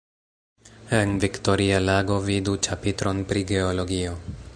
En Viktoria lago vidu ĉapitron pri Geologio.